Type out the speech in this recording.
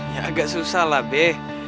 ya agak susah lah be